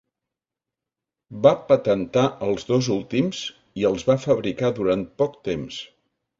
Va patentar els dos últims i els va fabricar durant poc temps.